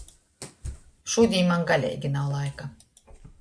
Šudiņ maņ galeigi nav laika.